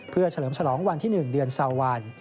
เพื่อเฉลิมฉลองวันที่๑เดือนซาวัน